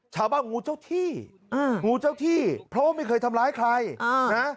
ชาวบ้านงูเจ้าที่เพราะไม่เคยทำร้ายใครนะ